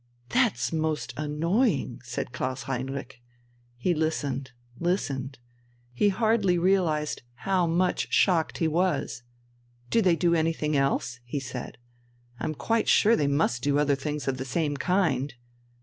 "That's most annoying!" said Klaus Heinrich. He listened, listened. He hardly realized how much shocked he was. "Do they do anything else?" he said. "I'm quite sure they must do other things of the same kind."